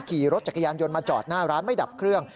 ขี่รถจักรยานยนต์มาจอดหน้าร้านไม่ดับเครื่อง